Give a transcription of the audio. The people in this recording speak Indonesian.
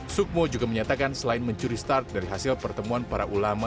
sukmo juga menyatakan selain mencuri start dari hasil pertemuan para ulama